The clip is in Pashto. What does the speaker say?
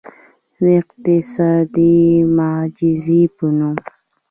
د اقتصادي معجزې په نوم.